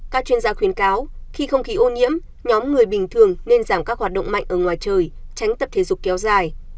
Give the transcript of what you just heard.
các chuyên gia khuyến cáo khi không khí ô nhiễm nhóm người bình thường nên giảm các hoạt động mạnh ở ngoài trời tránh tập thể dục kéo dài